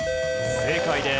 正解です。